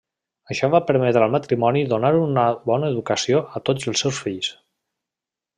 Això va permetre al matrimoni donar una bona educació a tots els seus fills.